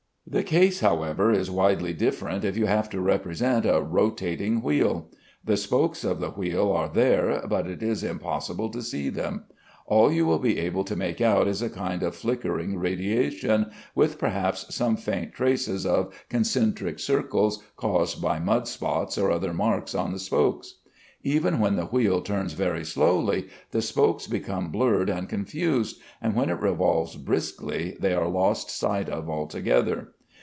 The case, however, is widely different if you have to represent a rotating wheel. The spokes of the wheel are there, but it is impossible to see them. All you will be able to make out is a kind of flickering radiation, with perhaps some faint traces of concentric circles caused by mud spots or other marks on the spokes. Even when the wheel turns very slowly the spokes become blurred and confused, and when it revolves briskly they are lost sight of altogether.